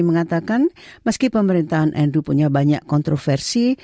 mengatakan meski pemerintahan nu punya banyak kontroversi